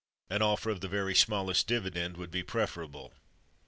An offer of the very smallest dividend would be preferable.